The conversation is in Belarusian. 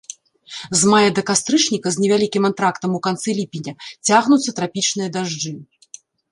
З мая да кастрычніка, з невялікім антрактам у канцы ліпеня, цягнуцца трапічныя дажджы.